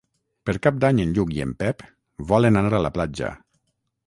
Per Cap d'Any en Lluc i en Pep volen anar a la platja.